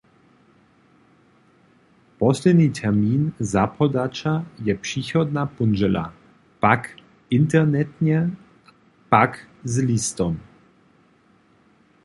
Posledni termin zapodaća je přichodna póndźela, pak internetnje pak z listom.